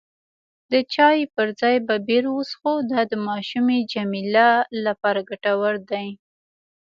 د چایو پر ځای به بیر وڅښو، دا د ماشومې جميله لپاره ګټور دی.